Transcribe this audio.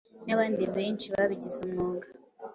n’abandi benshi babigize umwuga